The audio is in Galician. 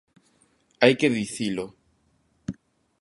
¡Hai que dicilo!